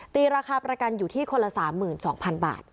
ราคาประกันอยู่ที่คนละ๓๒๐๐๐บาท